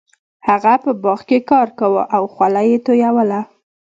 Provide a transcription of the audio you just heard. هغه په باغ کې کار کاوه او خوله یې تویوله.